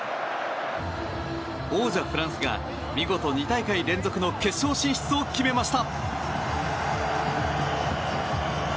王者フランスが見事２大会連続の決勝進出を決めました。